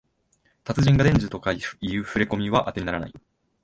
達人が伝授とかいうふれこみはあてにならない